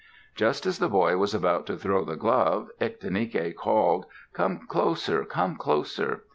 Just as the boy was about to throw the glove, Ictinike called, "Come closer! Come closer!"